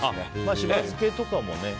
しば漬けとかもね。